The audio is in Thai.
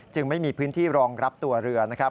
ไม่มีพื้นที่รองรับตัวเรือนะครับ